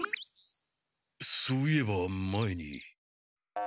そういえば前に。